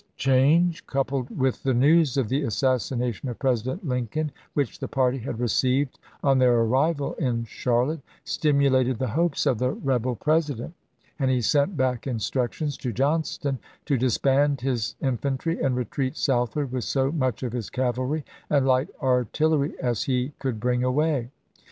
xiii change, coupled with the news of the assassination of President Lincoln, which the party had received on their arrival in Charlotte, stimulated the hopes of the rebel President, and he sent back instructions to Johnston to disband his infantry and retreat southward with so much of his cavalry and light artillery as he could bring away.